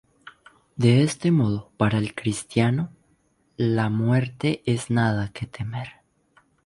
De este modo, para el cristiano, la muerte es nada que temer.